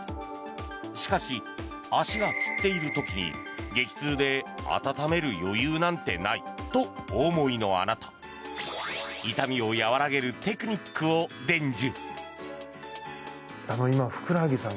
しかし、足がつっている時に激痛で温める余裕なんてないとお思いのあなた痛みを和らげるテクニックを伝授。